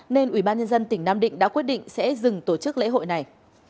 nên ủy ban nhân dân tỉnh nam định đã quyết định sẽ dừng tổ chức lễ hội này